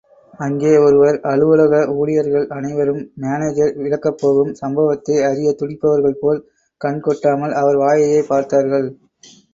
அங்கே ஒருவர்... அலுவலக ஊழியர்கள் அனைவரும், மானேஜர் விளக்கப்போகும் சம்பவத்தை அறியத் துடிப்பவர்கள்போல், கண்கொட்டாமல், அவர் வாயையே பார்த்தார்கள்.